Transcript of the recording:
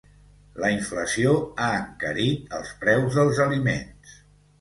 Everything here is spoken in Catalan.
La inflació ha encarit els preus dels aliments.